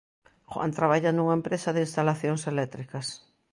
Juan traballa nunha empresa de instalacións eléctricas.